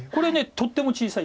「取っても小さい」。